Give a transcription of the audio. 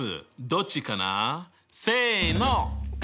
どっちかなせの！